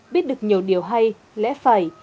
biết được nhiều điều hay lẽ phải